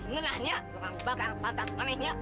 ngenahnya bakal pantan paniknya